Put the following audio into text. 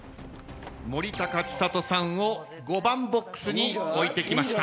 森高千里さんを５番ボックスに置いてきました。